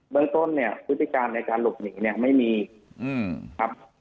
เมืองต้นเนี่ยพฤติการในการหลบหนีเนี่ยไม่มีครับ